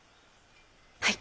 はい！